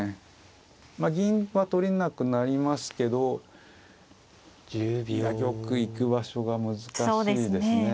まあ銀は取れなくなりますけどいや玉行く場所が難しいですね。